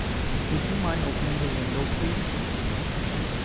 Would you mind opening the window, please?